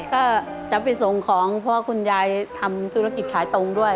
ก็จะไปส่งของเพราะว่าคุณยายทำธุรกิจขายตรงด้วย